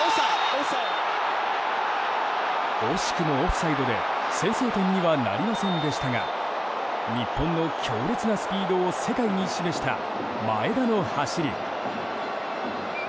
惜しくもオフサイドで先制点にはなりませんでしたが日本の強烈なスピードを世界に示した、前田の走り。